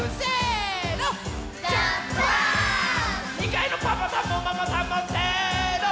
２かいのパパさんもママさんもせの。